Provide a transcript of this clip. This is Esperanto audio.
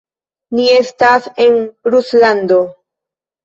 Ni estas en Ruslando.